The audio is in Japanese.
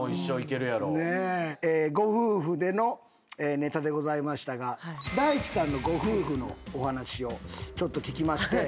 ご夫婦でのネタでございましたが大地さんのご夫婦のお話をちょっと聞きまして。